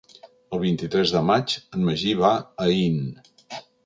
El vint-i-tres de maig en Magí va a Aín.